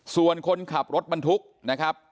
ส่วนคนขับรถบรรทุกนะครับ